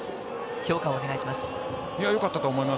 評価をお願いします。